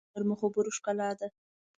• مینه د نرمو خبرو ښکلا ده.